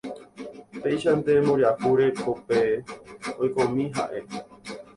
Péichante mboriahu rekópe oikomi ha'e